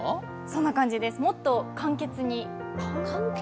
そんな感じです、もっと簡潔に。